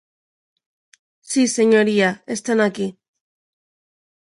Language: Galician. Si, señoría, están aquí.